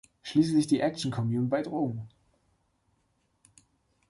Schließlich die action commune bei Drogen.